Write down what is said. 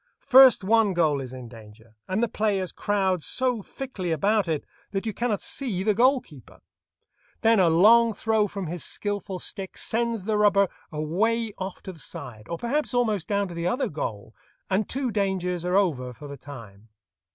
First one goal is in danger, and the players crowd so thickly about it that you cannot see the goal keeper. Then a long throw from his skilful stick sends the rubber away off to the side, or perhaps almost down to the other goal, and two dangers are over for the time.